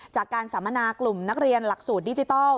สัมมนากลุ่มนักเรียนหลักสูตรดิจิทัล